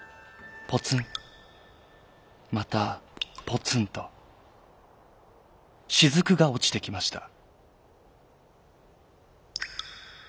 ポツンまたポツンとしずくがおちてきました。